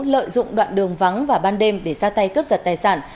lợi dụng đoạn đường vắng vào ban đêm để ra tay cướp giật tài sản